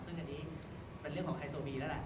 ซึ่งอันนี้เป็นเรื่องของไฮโซบีแล้วแหละ